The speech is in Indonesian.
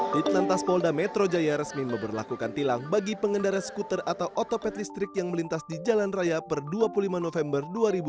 ditelantas polda metro jaya resmi memperlakukan tilang bagi pengendara skuter atau otopet listrik yang melintas di jalan raya per dua puluh lima november dua ribu dua puluh